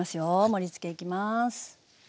盛りつけいきます。